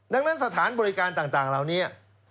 ดังนั้นสถานบริการต่างเหล่านี้